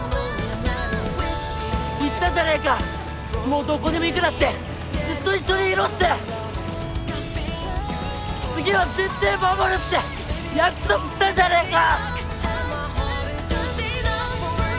言ったじゃねえかもうどこにも行くなってずっと一緒にいろって次はぜってえ守るって約束したじゃねえか！